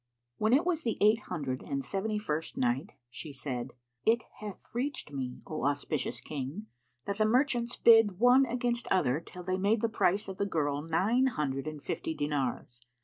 When it was the Eight Hundred and Seventy first Night, She said, It hath reached me, O auspicious King, that the merchants bid one against other till they made the price of the girl nine hundred and fifty dinars.